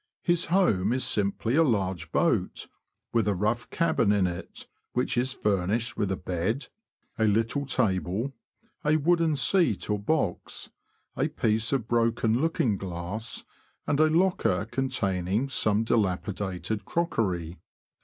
His home is simply a large boat, with a rough cabin in it, which is furnished with a bed, a little table, a wooden seat or box, a piece of broken looking glass, and a locker containing some dilapidated crockery.